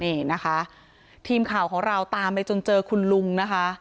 นี่นะคะทีมข่าวของเราตามไปจนเจอคุณลุงนะคะ